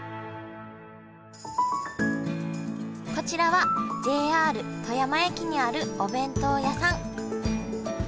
こちらはＪＲ富山駅にあるお弁当屋さん。